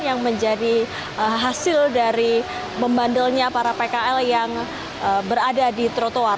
yang menjadi hasil dari membandelnya para pkl yang berada di trotoar